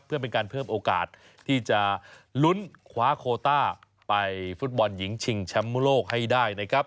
เพื่อเป็นการเพิ่มโอกาสที่จะลุ้นคว้าโคต้าไปฟุตบอลหญิงชิงแชมป์โลกให้ได้นะครับ